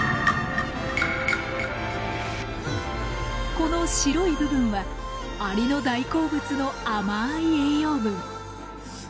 この白い部分はアリの大好物の甘い栄養分。